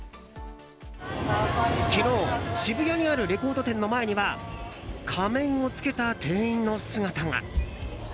昨日、渋谷にあるレコード店の前には仮面を着けた店員の姿が。